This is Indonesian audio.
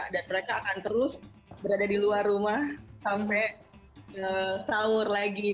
mereka akan terus berada di luar rumah sampai sahur lagi